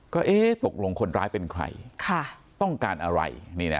ก็ตกลงคนร้ายเป็นใครต้องการอะไร